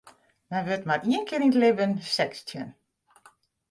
Men wurdt mar ien kear yn it libben sechstjin.